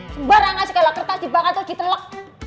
sembarang kasih kalah kertas dibakar terus diteluk